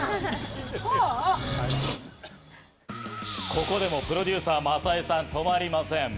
ここでもプロデューサー・政江さん、止まりません。